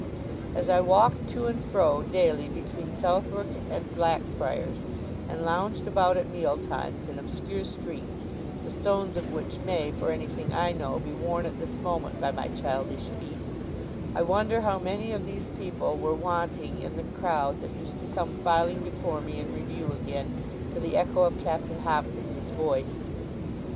As I walked to and fro daily between Southwark and Blackfriars, and lounged about at meal times in obscure streets, the stones of which may, for anything I know, be worn at this moment by my childish feet, I wonder how many of these people were wanting in the crowd that used to come filing before me in review again, to the echo of Captain Hopkins's voice!